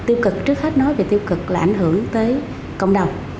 tiêu cực trước hết nói về tiêu cực là ảnh hưởng tới cộng đồng